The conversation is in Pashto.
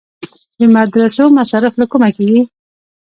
د مدرسو مصارف له کومه کیږي؟